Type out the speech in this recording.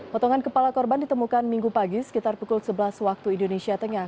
potongan kepala korban ditemukan minggu pagi sekitar pukul sebelas waktu indonesia tengah